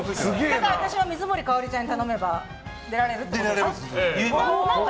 じゃあ、私は水森かおりちゃんに頼めば出られるってことですか。